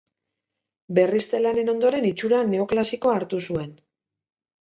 Berrizte lanen ondoren itxura neoklasikoa hartu zuen.